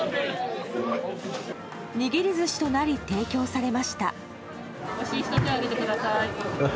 握り寿司となり提供されました。